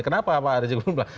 kenapa pak rizik belum pulang